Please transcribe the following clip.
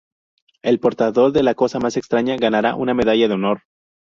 El portador de la cosa más extraña ganará una medalla de honor.